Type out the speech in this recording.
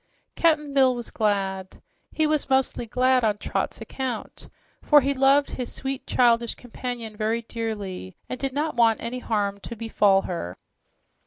Cap'n Bill was glad. He was mostly glad on Trot's account, for he loved his sweet, childish companion very dearly, and did not want any harm to befall her.